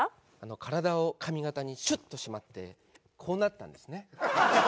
体を髪形にシュッとしまってこうなったんですね。